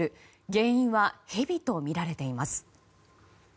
原因はヘビとみられています。